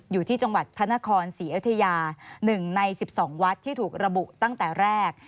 อยู่ที่จังหวัดพระนครศรีอยุธยา๑ใน๑๒วัดที่ถูกระบุตั้งแต่แรก